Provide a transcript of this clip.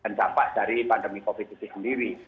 dan dapat dari pandemi covid itu sendiri